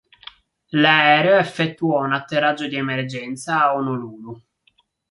L'aereo effettuò un atterraggio di emergenza a Honolulu.